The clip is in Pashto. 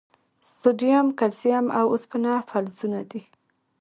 سوډیم، کلسیم، او اوسپنه فلزونه دي.